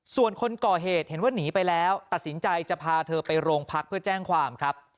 ส่วนคนก่อเหตุเห็นว่าหนีไปแล้วตัดสินใจจะพาเธอไปโรงพักเพื่อแจ้งความครับ